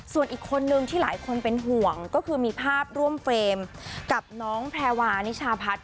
ส่วนอีกคนนึงที่หลายคนเป็นห่วงก็คือมีภาพร่วมเฟรมกับน้องแพรวานิชาพัฒน์